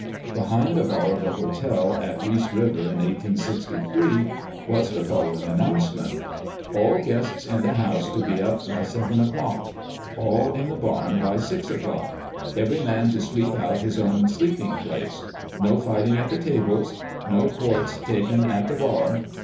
Behind the bar of a hotel at Reese River, in 1863, was the following announce ment :" All guests in the house to be up by seven o'clock ; all in the barn by six o'clock. Every man to sweep out his own sleeping place. No fighting at the tables. No quartz taken at the bar.